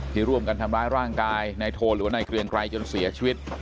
ที่ร่วมกันทำร้ายร่างกายนายโทนหรือว่านายเกรียงไกรจนเสียชีวิต